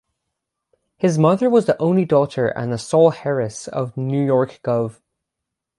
His mother was the only daughter and sole heiress of New York Gov.